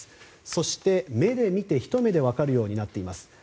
そして、目で見て一目で分かるようになっています。